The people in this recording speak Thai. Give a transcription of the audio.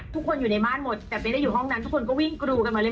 อยู่ในบ้านหมดแต่ไม่ได้อยู่ห้องนั้นทุกคนก็วิ่งกรูกันมาเรื